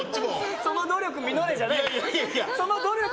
その努力実れじゃないの！